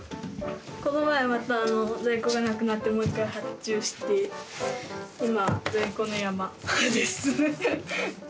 この前また在庫がなくなってもう一回発注して今在庫の山ですフフッ。